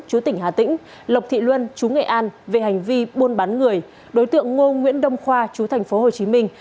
chú tỉnh hà tĩnh lộc thị luân chú nghệ an về hành vi buôn bán người đối tượng ngô nguyễn đông khoa chú thành phố hồ chí minh